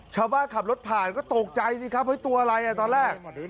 ชาวบ้านขับรถผ่านก็ตกใจสิครับไว้ตัวอะไรตอนแรก